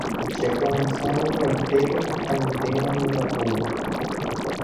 Che korasõ ruguaitépe hatãite roñongatúva